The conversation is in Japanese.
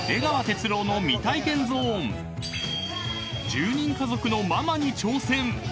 ［１０人家族のママに挑戦］